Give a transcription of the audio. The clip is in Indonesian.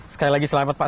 sekali lagi selamat pak